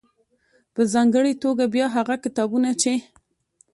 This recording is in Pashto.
.په ځانګړې توګه بيا هغه کتابونه چې